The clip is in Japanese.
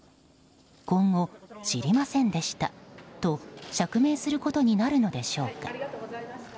今後、知りませんでしたと釈明することになるのでしょうか。